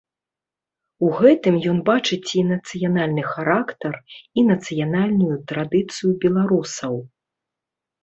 У гэтым ён бачыць і нацыянальны характар, і нацыянальную традыцыю беларусаў.